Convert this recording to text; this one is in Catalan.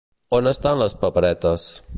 On estan las paperetes?